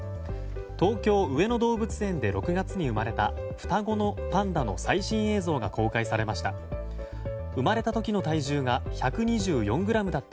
東京・上野動物園で６月に生まれた双子のパンダの最新映像が公開されました。